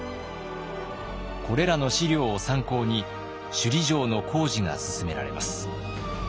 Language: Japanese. これらの資料を参考に首里城の工事が進められます。